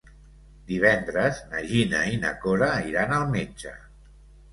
Divendres na Gina i na Cora iran al metge.